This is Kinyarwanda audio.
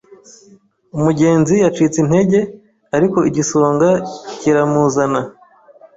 Umugenzi yacitse intege, ariko igisonga kiramuzana.